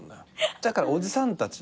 だからおじさんたちがさ。